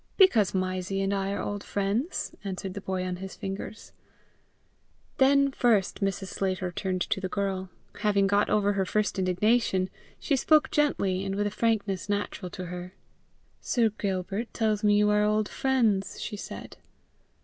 "Because Mysie and I are old friends," answered the boy on his fingers. Then first Mrs. Sclater turned to the girl: having got over her first indignation, she spoke gently and with a frankness natural to her. "Sir Gilbert tells me you are old friends," she said.